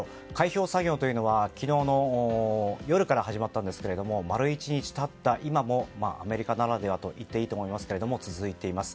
開票作業は、昨日の夜から始まったんですけれども丸一日経った今でもアメリカならではと言っていいと思いますが続いています。